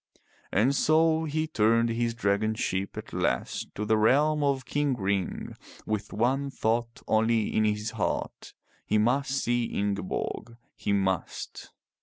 And so he turned his dragon ship at last to the realm of King Ring, with one thought only in his heart. He must see Ingeborg. He must.